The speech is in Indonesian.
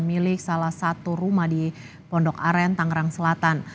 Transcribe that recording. milik salah satu rumah di pondok aren tangerang selatan